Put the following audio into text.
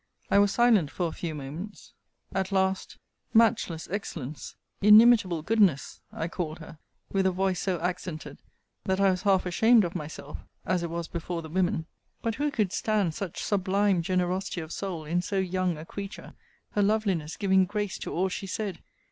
I was silent for a few moments. At last, Matchless excellence! Inimitable goodness! I called her, with a voice so accented, that I was half ashamed of myself, as it was before the women but who could stand such sublime generosity of soul in so young a creature, her loveliness giving grace to all she said?